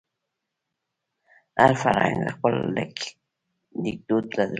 هر فرهنګ خپل لیکدود درلود.